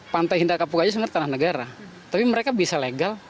pantai hinda kapukanya sebenarnya tanah negara tapi mereka bisa legal